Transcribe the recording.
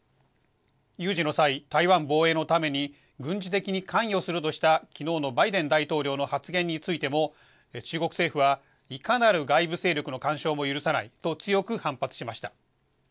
有事の際、台湾防衛のために軍事的に関与するとしたきのうのバイデン大統領の発言についても、中国政府はいかなる外部勢力の干渉も許さないと強く反発しました。